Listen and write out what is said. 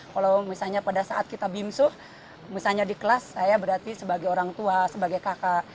kalau misalnya pada saat kita bimsu misalnya di kelas saya berarti sebagai orang tua sebagai kakak